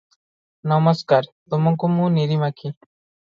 ନମସ୍କାର ତୁମକୁ ମୁଁ ନିରିମାଖି ।